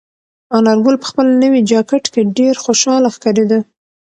انارګل په خپل نوي جاکټ کې ډېر خوشحاله ښکارېده.